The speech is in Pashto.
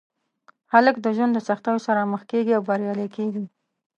هلک د ژوند د سختیو سره مخ کېږي او بریالی کېږي.